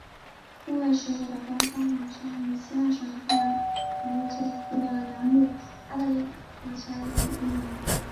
木卫十五的官方名称以希腊神话人物宙斯的养母阿德剌斯忒亚命名。